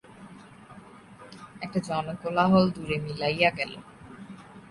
একটা জনকোলাহল দূরে মিলাইয়া গেল।